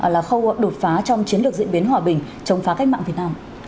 là khâu đột phá trong chiến lược diễn biến hòa bình chống phá cách mạng việt nam